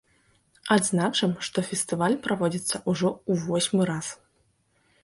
Адзначым, што фестываль праводзіцца ўжо ў восьмы раз.